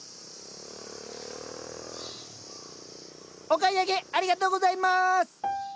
お買い上げありがとうございます！